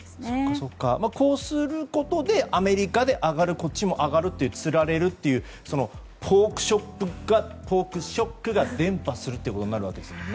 こうすることでアメリカで上がるこっちも上がってつられるというポークショックが伝播するということになるわけですね。